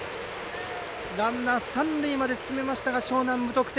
ランナー、三塁まで進めましたが樟南は無得点。